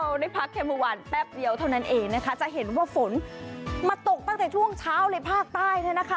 ได้พักแค่เมื่อวานแป๊บเดียวเท่านั้นเองนะคะจะเห็นว่าฝนมาตกตั้งแต่ช่วงเช้าเลยภาคใต้เนี่ยนะคะ